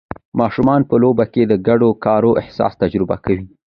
ماشومان په لوبو کې د ګډ کار احساس تجربه کوي.